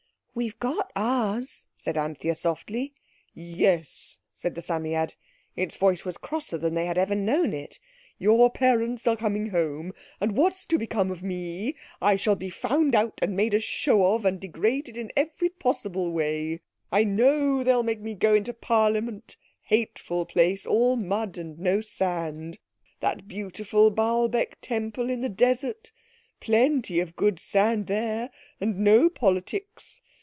"We've got ours," said Anthea softly. "Yes," said the Psammead—its voice was crosser than they had ever heard it—"your parents are coming home. And what's to become of me? I shall be found out, and made a show of, and degraded in every possible way. I know they'll make me go into Parliament—hateful place—all mud and no sand. That beautiful Baalbec temple in the desert! Plenty of good sand there, and no politics!